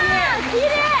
きれい！